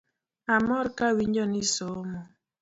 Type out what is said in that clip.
Amor kawinjo nisomo